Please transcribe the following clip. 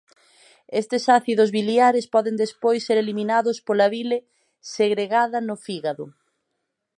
Estes ácidos biliares poden despois ser eliminados pola bile segregada no fígado.